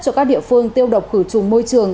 cho các địa phương tiêu độc khử trùng môi trường